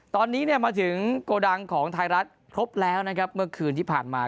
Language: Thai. ตอนนี้เนี่ยมาถึงโกดังของไทยรัฐครบแล้วนะครับเมื่อคืนที่ผ่านมา